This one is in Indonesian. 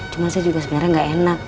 cuma saya juga sebenarnya nggak enak